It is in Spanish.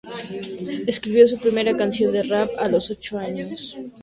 Escribió su primera canción de rap a los ocho años.